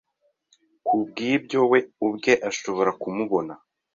kubwibyo we ubwe ashobora kumubona